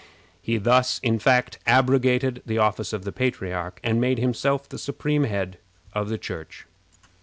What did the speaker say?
He thus, in fact, abrogated the office of patriarch, and made himself the supreme head of the Church.